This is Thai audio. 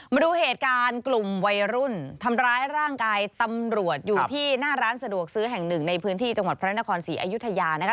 มาดูเหตุการณ์กลุ่มวัยรุ่นทำร้ายร่างกายตำรวจอยู่ที่หน้าร้านสะดวกซื้อแห่งหนึ่งในพื้นที่จังหวัดพระนครศรีอยุธยานะคะ